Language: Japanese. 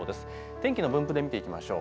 天気の分布で見ていきましょう。